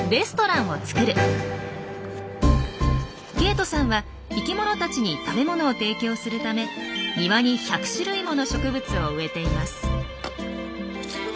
ここでケイトさんは生きものたちに食べ物を提供するため庭に１００種類もの植物を植えています。